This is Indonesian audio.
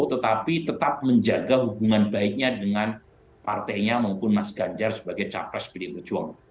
tetapi tetap menjaga hubungan baiknya dengan partainya maupun mas ganjar sebagai capres pdi perjuangan